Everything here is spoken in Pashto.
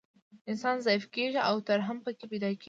انسان ضعیف کیږي او ترحم پکې پیدا کیږي